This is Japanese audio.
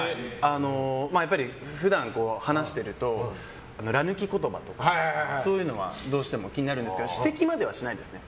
やっぱり普段、話しているとら抜き言葉とかそういうのはどうしても気になるんですけど指摘まではしないですね。